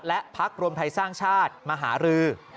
และพักรวมไทยสร้างชาติมาหารือ